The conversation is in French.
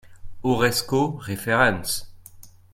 Horresco referens